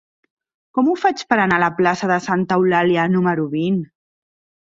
Com ho faig per anar a la plaça de Santa Eulàlia número vint?